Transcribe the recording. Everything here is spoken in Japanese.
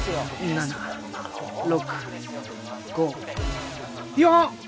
７６５４！